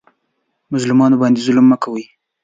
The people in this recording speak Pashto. مظلومانو باندې ظلم مه کوئ